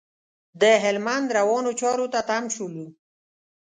د هلمند روانو چارو ته تم شولو.